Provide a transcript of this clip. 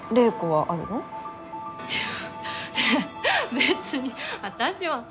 べ別に私は。